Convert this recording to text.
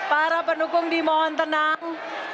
para pendukung dimohon tenang